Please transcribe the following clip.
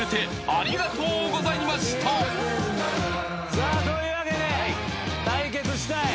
さあというわけで対決したい